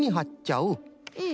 うん。